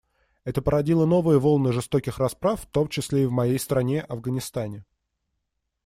Это породило новые волны жестоких расправ, в том числе в моей стране, Афганистане.